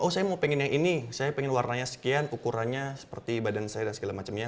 oh saya mau pengen yang ini saya pengen warnanya sekian ukurannya seperti badan saya dan segala macamnya